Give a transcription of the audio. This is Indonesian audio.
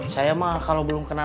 saya mah kalau belum kena nasi